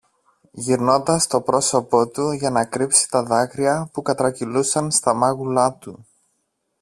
γυρνώντας το πρόσωπο του για να κρύψει τα δάκρυα που κατρακυλούσαν στα μάγουλα του